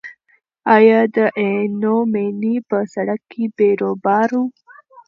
ایا د عینومېنې په سړک کې بیروبار و؟